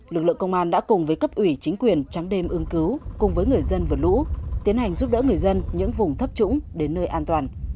lực lượng công an đã cùng với cấp ủy chính quyền trắng đêm ưng cứu cùng với người dân vượt lũ tiến hành giúp đỡ người dân những vùng thấp trũng đến nơi an toàn